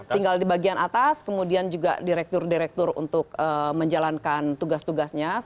tinggal di bagian atas kemudian juga direktur direktur untuk menjalankan tugas tugasnya